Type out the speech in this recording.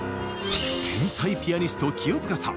天才ピアニスト清塚さん。